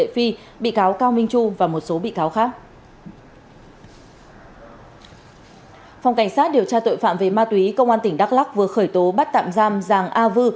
phòng cảnh sát điều tra tội phạm về ma túy công an tỉnh đắk lắc vừa khởi tố bắt tạm giam giàng a vư